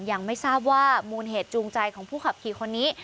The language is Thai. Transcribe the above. ยังไม่ทราบว่ามูลเหตุจูงใจของผู้ขับขี่คนนี้